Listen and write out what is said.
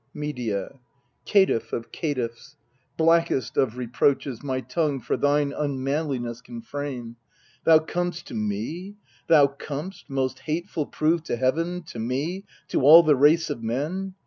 Medea. Caitiff of caitiffs ! blackest of reproaches My tongue for thine unmanliness can frame Thou com'st to me thou com'st, most hateful proved To Heaven, to me, to all the race of men